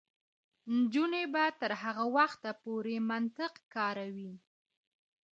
نجونې به تر هغه وخته پورې منطق کاروي.